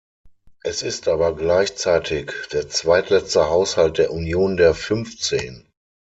Es ist aber gleichzeitig der zweitletzte Haushalt der Union der Fünfzehn.